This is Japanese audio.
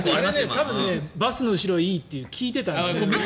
多分バスの後ろがいいって聞いてたんだ。